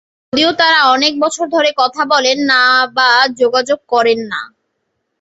যদিও তারা অনেক বছর ধরে কথা বলেন না বা যোগাযোগ করেন না।